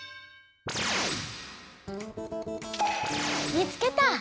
見つけた！